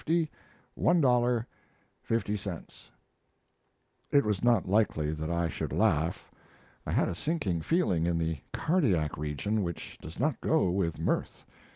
00, 50 CENTS It was not likely that I should laugh. I had a sinking feeling in the cardiac region which does not go with mirth.